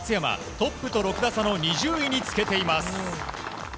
トップと６打差の２０位につけています。